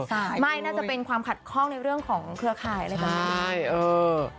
ใช่ไม่น่าจะเป็นความขัดข้องในเรื่องของเครือข่ายอะไรแบบนี้